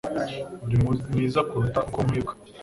Urimwiza kuruta uko nkwibuka.